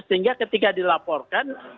sehingga ketika dilaporkan